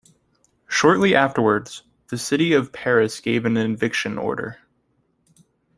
Shortly afterwards, the city of Paris gave an eviction order.